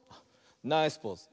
ナイスポーズ。